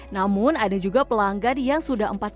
namun ada juga pelanggan yang sudah menghubungi